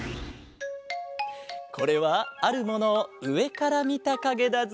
これはあるものをうえからみたかげだぞ。